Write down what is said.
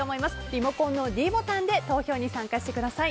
リモコンのｄボタンで投票に参加してください。